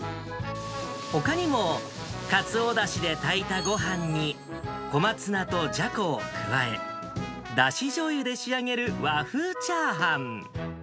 ほかにもかつおだしで炊いたごはんに、小松菜とじゃこを加え、だしじょうゆで仕上げる和風チャーハン。